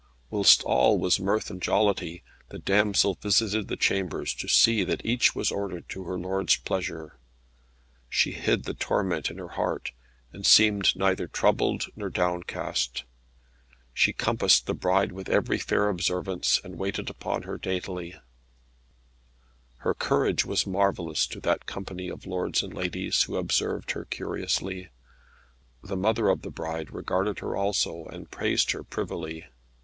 Whilst all was mirth and jollity, the damsel visited the chambers, to see that each was ordered to her lord's pleasure. She hid the torment in her heart, and seemed neither troubled nor downcast. She compassed the bride with every fair observance, and waited upon her right daintily. [Footnote 1: This is a play on words; Frêne in the French, meaning ash, and Coudre meaning hazel.] Her courage was marvellous to that company of lords and ladies, who observed her curiously. The mother of the bride regarded her also, and praised her privily.